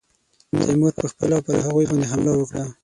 تیمور پخپله پر هغوی باندي حمله وکړه.